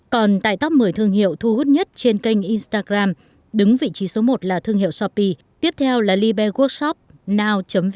còn tại top một mươi thương hiệu thu hút nhất trên kênh instagram đứng vị trí số một là thương hiệu thương hiệu thương hiệu thương hiệu thương hiệu thương hiệu thương hiệu thương hiệu thương hiệu